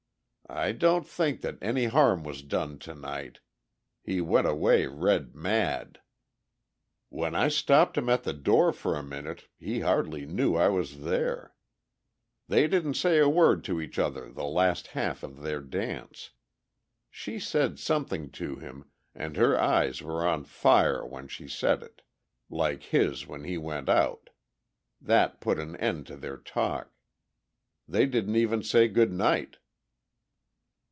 I don't think that any harm was done tonight. He went away red mad. When I stopped him at the door for a minute he hardly knew I was there. They didn't say a word to each other the last half of their dance. She said something to him, and her eyes were on fire when she said it, like his when he went out; that put an end to their talk. They didn't even say good night."